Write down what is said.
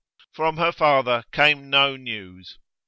From her father came no news.